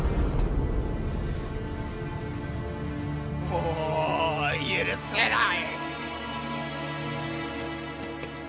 もう許せない。